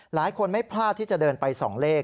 หลายคนไม่พลาดที่จะเดินไป๒เลข